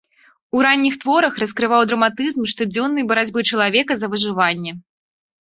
У ранніх творах раскрываў драматызм штодзённай барацьбы чалавека за выжыванне.